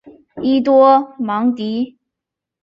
伊多芒迪。